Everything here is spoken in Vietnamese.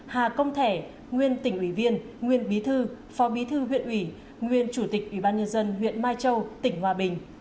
hà công thẻ nguyên tỉnh ủy viên nguyên bí thư phó bí thư huyện ủy nguyên chủ tịch ủy ban nhân dân huyện mai châu tỉnh hòa bình